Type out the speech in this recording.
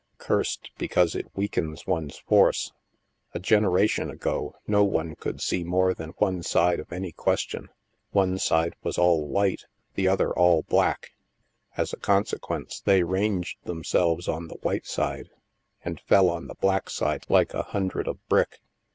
' Cursed ' because it weakens one's force. A generation ago, no one could see more than one side of any question ; one side was all white, the other all black. As a consequence, they ranged themselves on the white side, and fell on the black side like a hundred of brick.